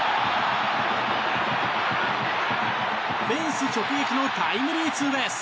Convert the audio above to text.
フェンス直撃のタイムリーツーベース。